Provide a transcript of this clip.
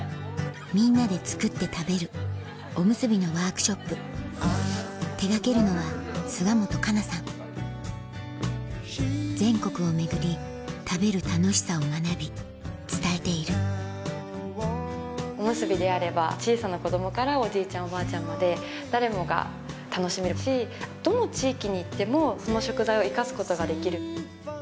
みんなで作って食べるおむすびのワークショップ手がけるのは全国を巡り食べる楽しさを学び伝えているおむすびであれば小さな子供からおじいちゃんおばあちゃんまで誰もが楽しめるしどの地域に行ってもその食材を生かすことができる。